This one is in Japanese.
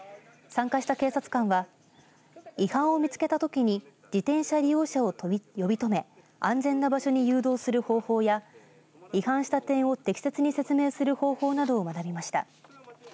参加した警察官は違反を見つけたときに自転車利用者を呼び止め安全な場所に誘導する方法や違反した点を適切に説明する方法などを学びました。